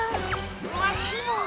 わしも。